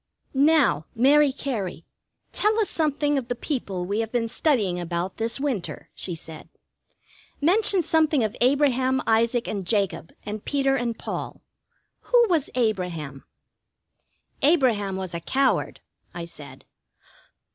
"Now, Mary Cary, tell us something of the people we have been studying about this winter," she said, "Mention something of Abraham, Isaac, and Jacob, and Peter and Paul. Who was Abraham?" "Abraham was a coward," I said.